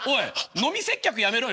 飲み接客やめろよ。